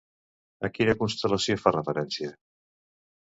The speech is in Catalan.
A quina constel·lació fa referència?